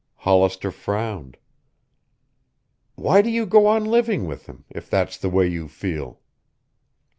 Hollister frowned. "Why do you go on living with him, if that's the way you feel?"